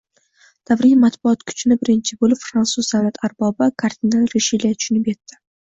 Davriy matbuot kuchini birinchi bo‘lib fransuz davlat arbobi, kardinal Rishele tushunib yetdi.